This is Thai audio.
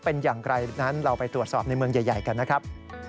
เป็นอย่างไรนั้นเราไปตรวจสอบในเมืองใหญ่กันนะครับ